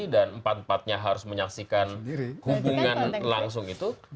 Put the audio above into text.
dan empat empatnya harus menyaksikan hubungan langsung itu